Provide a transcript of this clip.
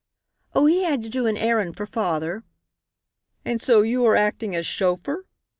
"Oh, he had to do an errand for father." "And so you are acting as chauffeur?"